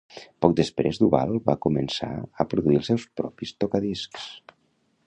Poc després, Dual va començar a produir els seus propis tocadiscs.